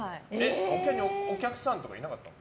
他にお客さんとかいなかったの？